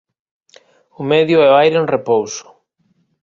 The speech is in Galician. O medio é o aire en repouso.